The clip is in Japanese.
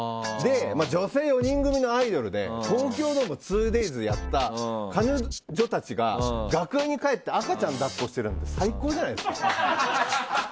女性４人組のアイドルで東京ドーム２デイズやった彼女たちが、楽屋に帰って赤ちゃん抱っこしてるの最高じゃないですか？